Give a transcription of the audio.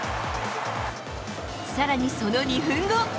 さらにその２分後。